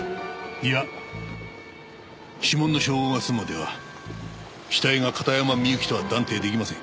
いや指紋の照合が済むまでは死体が片山みゆきとは断定出来ません。